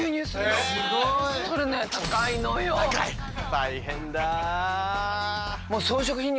大変だ。